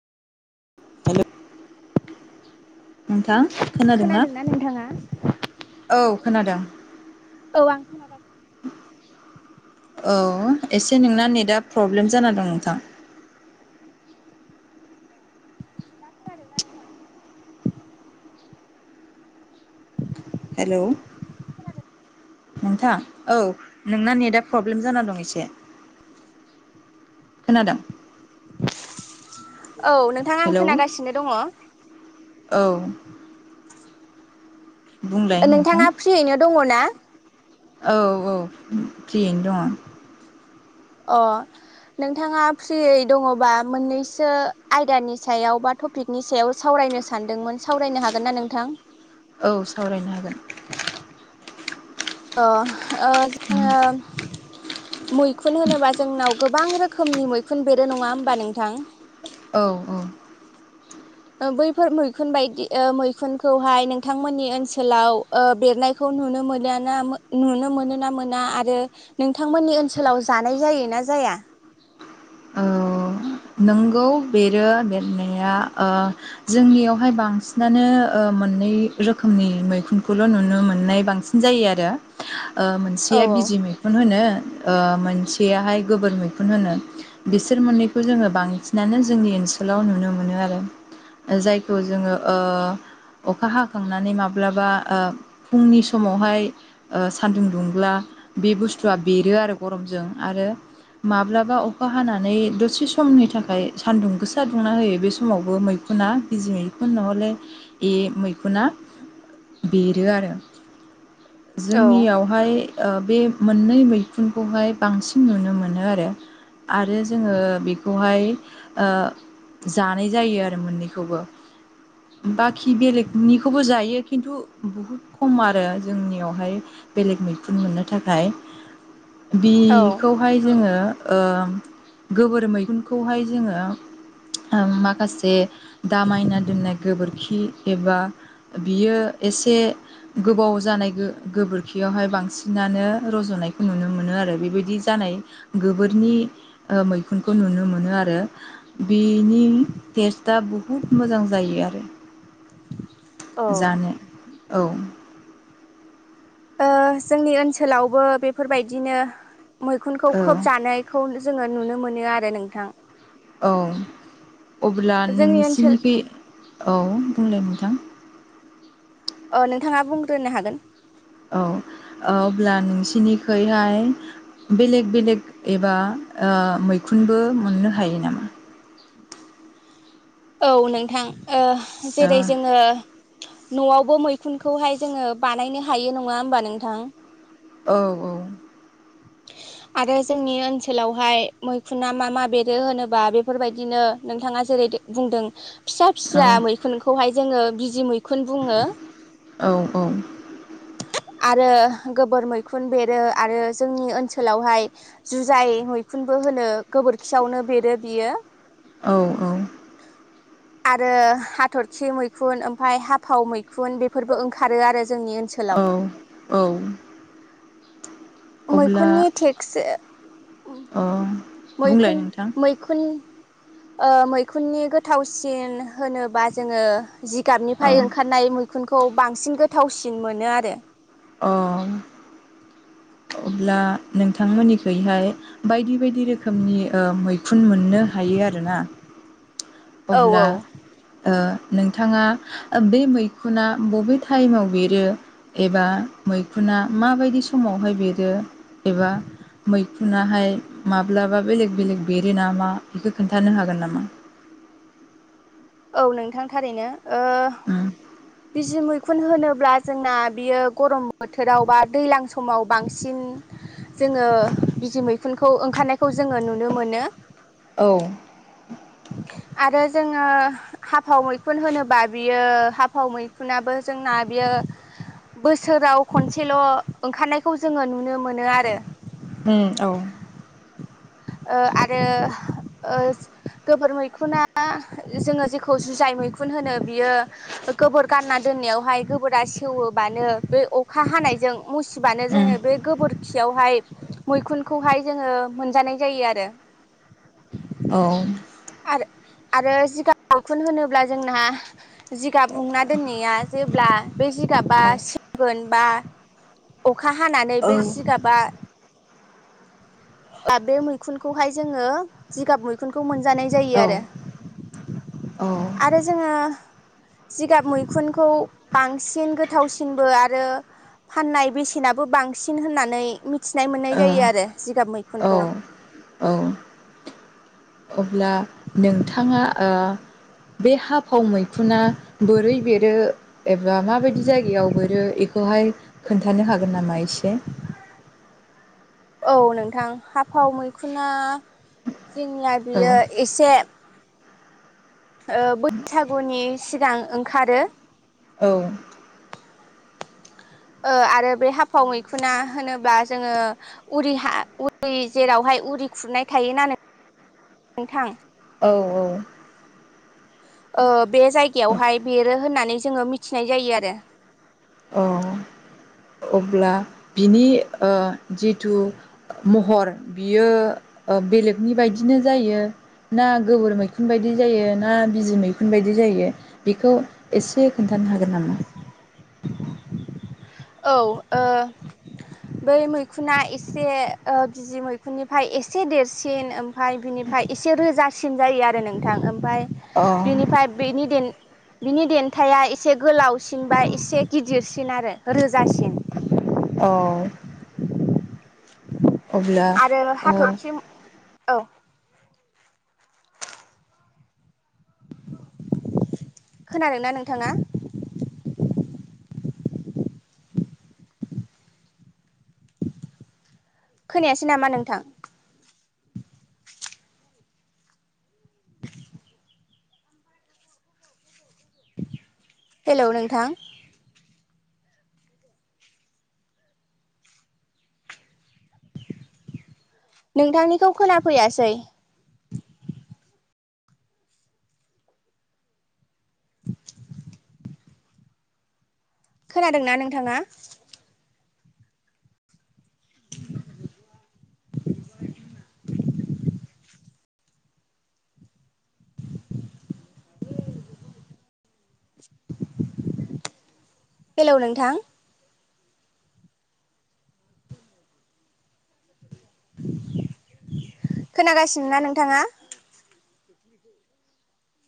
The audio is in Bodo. हेल' नोंथां खोनादों ना? खोनादोंना नोंथाङा? औ खोनादों। औ आं खोनागासि। औ एसे नोंना नेटआ प्रब्लेम जाना दं नो था अ दा खोनादों ना नोंथां? हेलौ नोंथां औ नोंना नेटआ प्रब्लेम जाना दं एसे खोनादों? औ नोंथां आं हेलौ खोनागासिनो दङ। औ बुंलाय नोंथां नोंथाङा फ्रियैनो दङ ना? औ औ फ्रियैनो दङ। अ नोंथाङा फ्रियै दङबा मोननैसो आयदानि सायाव बा टपिकनि सायाव सावरायनो सानदोंमोन सावरायनो हागोन ना नोंथां? औ सावरायनो हागोन। अ जोङो मैखुन होनोबा जोंनाव गोबां रोखोमनि मैखुन बेरो नङा हबा नोंथां औ औ बैफोर मैखुन बायदि ओ मैखुनखौहाय नोंथांमोननि ओनसोलाव ओ बेरनायखौ नुनो मोनो ना नुनो मोनो ना मोना आरो नोंथांमोननि ओनसोलाव जानाय जायो ना जाया? नंगौ बेरो बेरनाया ओ जोंनियावहाय बांसिनानो ओ मोननै रोखोमनि मैखुनखौल' नुनो मोननाय बांसिन जायो आरो औ मोनसेया बिजि मैखुन होनो ओ मोनसेयाहाय गोबोर मैखुन होनो बिसोर मोननै जोङो बांसिनानो जोंनि ओनसोलाव नुनो मोनो आरो जायखौ जोङो ओ अखा हाखांनानै माब्लाबा ओ फुंनि समावहाय सानदुं दुंब्ला बे बुस्थुआ बेरो आरो गरमजों आरो माब्लाबा अखा हानानै दसे समनि थाखाय सान्दुं गोसा दुंना होयो बे समावबो मैखुना बिजि मैखुन नहले ए मैखुना बेरो आरो। औ जोंनियावहाय बे मोननै मैखुनखौहाय बांसिन नुनो मोनो आरो आरो जोङो बेखौहाय ओ जानाय जायो आरो मोननैखौबो बाखि बेलेगनिखौबो जायो खिन्थु बुहुद खम आरो जोंनियावहाय बेलेग मैखुन मोननो थाखाय औ बिखौहाय जोङो गोबोर मै मैखुनखौहाय जोङो माखासे दामायना दोननाय गोबोरखि एबा बियो एसे गोबाव जानाय गोबोरखियावहाय बांसिनानो रज'नायखौ नुनो मोनो आरो बेबायदि जानाय गोबोरनि मैखुन खौ नुनो मोनो आरो बेनि टेस्टा बुहुत मोजां जायो आरो ओ जानो। औ। ओ जोंनि ओनसोलावबो बेफोरबायदिनो मैखुनखौ औ खोब जानायखौ जोङो नुनो मोनो आरो नोंथां। औ अब्ला जोंनि ओनसोल नोंसिनि बे औ बुंलाय नोंथां? अ नोंथाङा बुंग्रोनो हागोन। औ अब्ला नोंसिनिखैहाय बेलेग बेलेग एबा मैखुनबो मोननो हायो नामा? औ नोंथां। ओ' जेरै जोङो न'आवबो मैखुनखौहाय जोङो बानायनो हायो नङा होमबा नोंथां? औ औ। आरो जोंनि ओनसोलावहाय मैखुना मा मा बेरो होनोबा बेफोरबायदिनो नोंथाङा जेरै बुंदों फिसा औ फिसा मैखुनखौहाय जोङो बिजि मै खुन बुङो औ औ। आरो गोबोर मैखुन बेरो आरो जोंनि ओनसोलावहाय जुजाय मैखुनबो होनो गोबोरखियावनो बेरो बियो औ औ। आरो हाथरखि मैखुन ओमफ्राय हाफाव मैखुन बेफोरबो ओंखारो आरो जोंनि औ ओनसोलाव। औ। अब्ला मैखुननि टेक्सी अ बुंलाय मैखुन नोंथां मैखुन ओ मैखुननि गोथावसिन होनोबा जोङो औ जिगाबनिफ्राय ओंखारनाय मै मैखुनखौ बांसिन गोथावसिन मोनो आरो। अ। अब्ला नोंथांमोननिखैहाय बायदि बायदि रोखोमनि मैखुन ओ मोननो हायो आरोना? औ अब्ला औ। ओ नोंथाङा बै मैखुना बबे टाइमाव बेरो एबा मैखुना माबायदि समावहाय बेरो एबा मैखुुनहाय माब्लाबा बेलेग बेलेग बेरो नामा बेखौ खोनन्थानो हागोन नामा? औ नोंथां थारैनो। ओ उम बिजि मै खुन होनोब्ला जोंना बियो गरम बोथोराव बा दैज्लां समाव बांसिन जोङो बिजि मैखुनखौ ओंखारनायखौ जोङो नुनो मोनो। औ। आरो जोङो हा हाफाव मैखुन होनोबा बियो हाफाव मैखुनाबो जोंना बियो बोसोराव खनसेल' ओंखारनायखौ जोङो नुनो मोनो आरो। उ औ। ओ आरो ओ गोबोर मैखुना जोङो जि खौ जुजाय मैखुन होनो बियो गोबोर गारना दोननायावहाय गोबोरा सेवोबानो बे अखा हानायजों मुसिबानो जोङो बे गोबोर खियावहाय मैखुनखौहाय जोङो मोनजानाय जायो आरो। औ। आर आरो जिगाब मैखुन होनोब्ला जोंना जिगाब हुंना दोननाया जेब्ला बे जिगाबा सेवगोन बा अखा हानानै बे उम जिगाबा बे मैखुनखौहाय जोङो जिगाब मैखुनखौ मोन जानाय जायो औ आरो। आरो जोङो जिगाब मैखुनखौ बांसिन गोथावसिनबो आरो फाननाय बेसेनाबो बांसिन होननानै मि थिनाय मोननाय जायो औ आरो जिगाब ओ मैखुनखौ। औ औ अब्ला नोंथाङा ओ बे हाफाव मैखुना बोरै बेरो एबा माबायदि जायगायाव बेरो एखौहाय खोन्थानो हागोन नामा एसे? औ नोंथां हाफाव मैखुना जोंनिया औ बियो एसे ओ बैसागुनि सिगां ओंखारो। औ। ओ आरो बे हाफाव मैखुना होनोब्ला जोङो उरि हा उरि जेरावहाय खुरनाय थायो नालाय नोंथां। औ औ। ओ बे जायगायावहाय बेरो होननानै जोङो मिथिनाय जायो आरो। अ' अब्ला बिनि ओ जिथु महर बियो ओ बेलेगनि बायदिनो जायो ना गोबोर मैखुन बायदि जायो ना बिजि मैखुन बायदि जायो बेखौ एसे खोन्थानो हागोन नामा? औ ओ बै मैखुना एसे ओ बिजि मैखुननिफ्राय एसे देरसिन ओमफाय बिनिफ्राय एसे रोजासिन जायो आरो नोंथां। ओम फाय अ बिनिफ्राय बेनि देन बिनि देन्थाया एसे गोलावसिन बा एसे गिदिरसिन आरो। रोजासिन। अ। आरो ओ हाथरखि औ। खोनादोंना नोंथाङा? खोनायासै नामा नोंथां? हेलौ नोंथां। नोंथांनिखौ खोनाफैयासै। खोनादोंना नोंथाङा। हेलौ नोंथां। खोनागासिनो ना नोंथाङा?